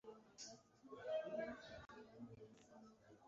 wabonye imeri yanjye ejo hamwe namabwiriza